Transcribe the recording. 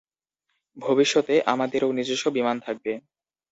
ভবিষ্যতে, আমাদেরও নিজস্ব বিমান থাকবে।